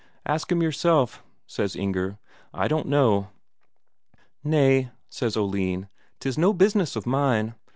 "Ask him yourself," says Inger. "I don't know." "Nay," says Oline. "'Tis no business of mine.